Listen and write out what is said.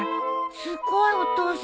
すごいお父さん。